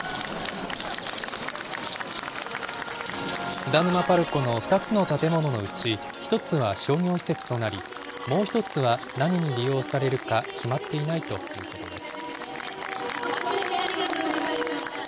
津田沼パルコの２つの建物のうち１つは商業施設となり、もう１つは何に利用されるか決まっていないということです。